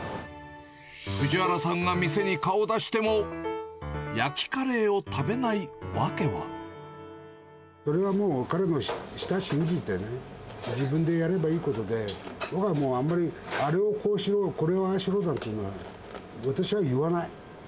藤原さんが店に顔を出しても、それはもう、彼の舌信じてね、自分でやればいいことで、僕はもう、あんまり、あれをこうしろ、これをああしろなんてのは、私は言わない。